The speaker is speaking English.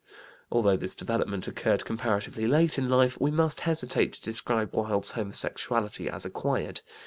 Although this development occurred comparatively late in life, we must hesitate to describe Wilde's homosexuality as acquired.